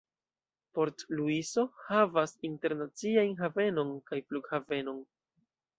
Port-Luiso havas internaciajn havenon kaj flughavenon.